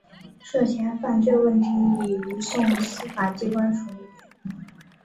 涉嫌犯罪问题已移送司法机关处理。